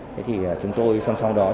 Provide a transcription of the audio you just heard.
thế thì chúng tôi song song đó